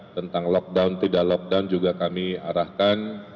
tentang lockdown tidak lockdown juga kami arahkan